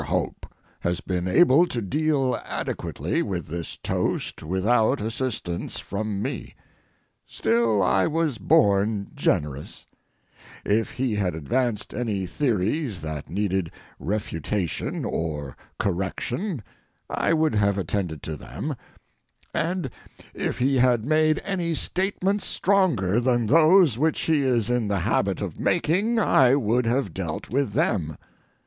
MR. HOPE has been able to deal adequately with this toast without assistance from me. Still, I was born generous. If he had advanced any theories that needed refutation or correction I would have attended to them, and if he had made any statements stronger than those which he is in the habit of making I would have dealt with them.